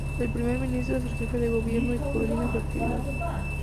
El Primer Ministro es el jefe de Gobierno y coordina su actividad.